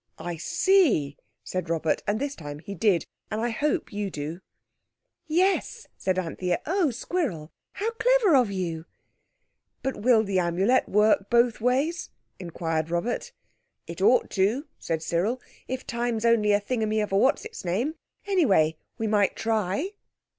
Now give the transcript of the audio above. "I see," said Robert, and this time he did, and I hope you do. "Yes," said Anthea. "Oh, Squirrel, how clever of you!" "But will the Amulet work both ways?" inquired Robert. "It ought to," said Cyril, "if time's only a thingummy of whatsitsname. Anyway we might try."